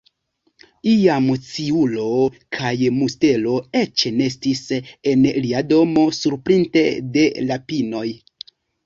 Iam sciuro kaj mustelo eĉ nestis en lia domo surpinte de la pinoj.